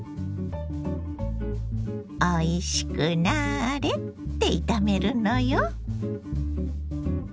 「おいしくなれ」って炒めるのよ。